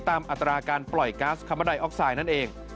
อัตราการปล่อยก๊าซคามไดออกไซด์นั่นเอง